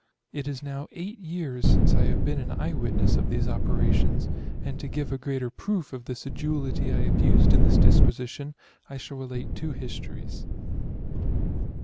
It is now 8 years since I have been an eye witness of these operations ; and to give a greater proof of the sedulity I have used in this dis quisition, I shall relate 2 histories.